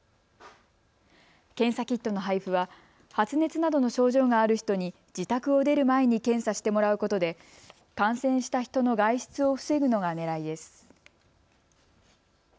検査キットの配布は発熱などの症状がある人に自宅を出る前に検査してもらうことで感染した人の外出を防ぐのがねらいです。